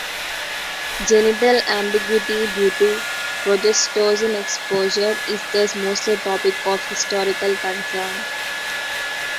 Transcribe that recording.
Genital ambiguity due to progestogen exposure is thus mostly a topic of historical concern.